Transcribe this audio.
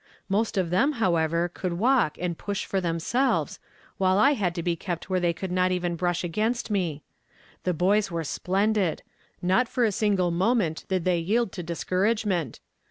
Most of them, however, could 40 YESTERDAV P HA MED IN TO DAY. walk, and push for themselves, while I had to he kept where they could not even hrusii against nie. Ihe hojs were splendid! Not for a single mo ment did they yield to discouragement.